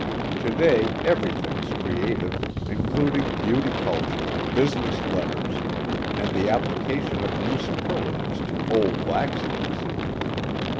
Today everything's creative, including beauty culture, business letters, and the application of new superlatives to old laxatives.